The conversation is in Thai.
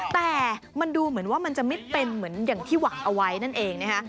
แต่มันดูเหมือนว่ามันจะไม่เป็นเหมือนอย่างที่หวังเอาไว้นั่นเองนะคะ